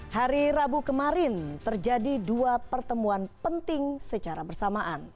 hari rabu kemarin terjadi dua pertemuan penting secara bersamaan